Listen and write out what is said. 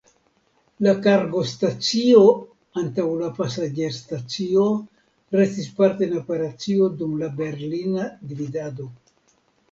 La kargostacio antaŭ la pasaĝerstacio restis parte en operacio dum la Berlina dividado.